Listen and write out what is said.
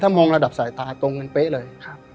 มองระดับสายตาตรงกันเป๊ะเลย